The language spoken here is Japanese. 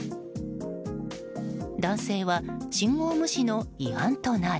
男性は信号無視の違反となり。